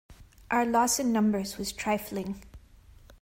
Our loss in numbers was trifling.